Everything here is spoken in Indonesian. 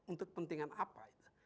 untuk kepentingan apa itu